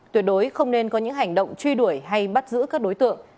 tuyệt đối không nên có những hành động truy đuổi hay bắt giữ các đối tượng